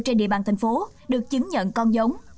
trên địa bàn thành phố được chứng nhận con giống